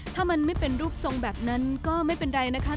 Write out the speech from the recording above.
ถ้ามันไม่เป็นรูปทรงแบบนั้นก็ไม่เป็นไรนะคะ